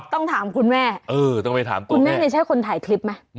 ต้องถามคุณแม่คุณแม่นี่ใช่คนถ่ายคลิปไหม